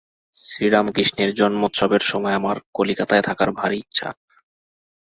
শ্রীরামকৃষ্ণের জন্মোৎসবের সময় আমার কলিকাতায় থাকার ভারি ইচ্ছা।